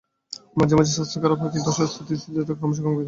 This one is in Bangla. মাঝে মাঝে স্বাস্থ্য খারাপ হয়, কিন্তু অসুস্থতার স্থিতিকাল ক্রমশই কমে আসছে।